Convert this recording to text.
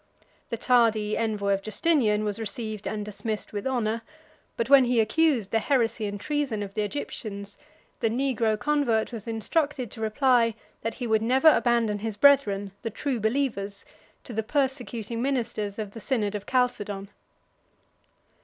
The tardy envoy of Justinian was received and dismissed with honor: but when he accused the heresy and treason of the Egyptians, the negro convert was instructed to reply that he would never abandon his brethren, the true believers, to the persecuting ministers of the synod of Chalcedon.